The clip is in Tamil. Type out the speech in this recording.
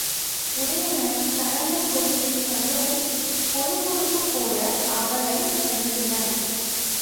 உதயணன் கரங்கள் கொடியைத் தழுவும் கொழுகொழும்பு போல அவளைத் தழுவின.